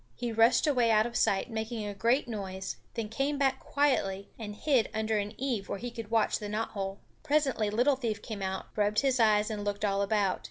He rushed away out of sight, making a great noise, then came back quietly and hid under an eave where he could watch the knot hole. Presently Little Thief came out, rubbed his eyes, and looked all about.